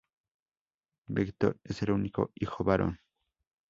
Victor es el único hijo varón.